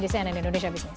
di cnn indonesia business